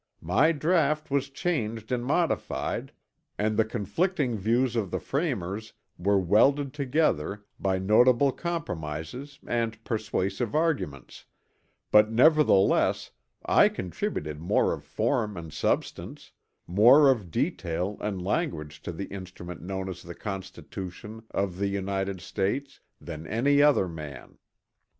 My draught was changed and modified, and the conflicting views of the framers were welded together by notable compromises and persuasive arguments, but nevertheless I contributed more of form and substance, more of detail and language to the instrument known as the Constitution of the United States than any other man.